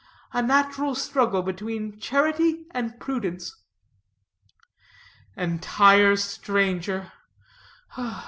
A natural struggle between charity and prudence. "Entire stranger!"